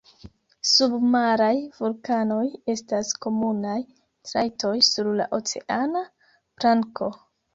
Submaraj vulkanoj estas komunaj trajtoj sur la oceana planko.